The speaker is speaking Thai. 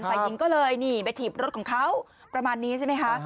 ฝ่ายหญิงก็เลยนี่ไปถีบรถของเขาประมาณนี้ใช่ไหมคะ